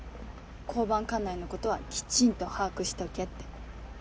交番管内のことはきちんと把握しとけって。